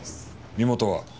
身元は？